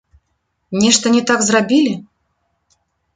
Нешта не так зрабілі?